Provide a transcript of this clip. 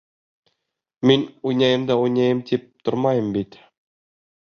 Мин «уйнайым да уйнайым» тип тормайым бит!